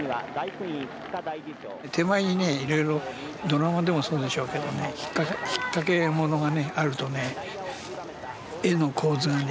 手前にねいろいろドラマでもそうでしょうけどね引っかけものがあるとね画の構図がね生きてくるんですよね。